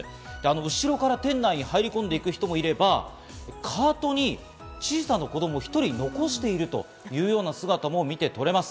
後ろから店内に入り込んでいく人もいれば、カートに小さな子どもを１人残しているというような姿も見てとれます。